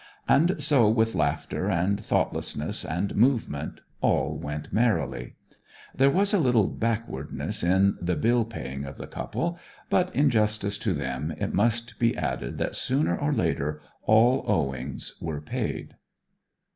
And so with laughter, and thoughtlessness, and movement, all went merrily. There was a little backwardness in the bill paying of the couple; but in justice to them it must be added that sooner or later all owings were paid.